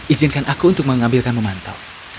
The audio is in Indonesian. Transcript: izinkan aku untuk mengambilkanmu mantel